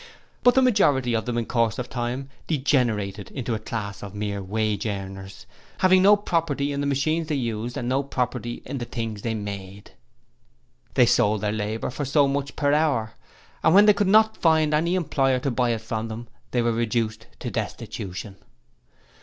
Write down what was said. But the majority of them in course of time degenerated into a class of mere wage earners, having no property in the machines they used, and no property in the things they made. 'They sold their labour for so much per hour, and when they could not find any employer to buy it from them, they were reduced to destitution.